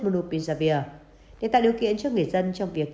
monopinzavir để tạo điều kiện cho người dân trong việc